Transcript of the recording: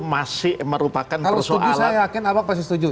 kalau setuju saya yakin apa pasti setuju